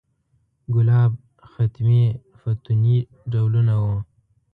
ګلاب، ختمي، فتوني یې ډولونه و.